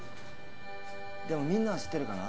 でもみんなは知ってるかな？